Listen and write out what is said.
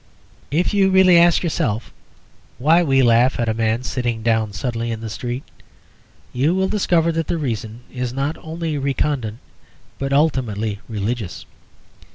If you really ask yourself why we laugh at a man sitting down suddenly in the street you will discover that the reason is not only recondite, but ultimately religious.